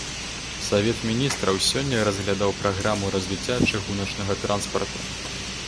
Савет міністраў сёння разглядаў праграму развіцця чыгуначнага транспарту.